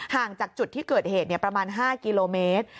ห่างจากจุดที่เกิดเหตุประมาณ๕กิโลเมตร